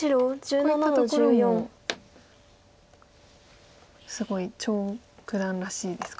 こういったところもすごい張栩九段らしいですか。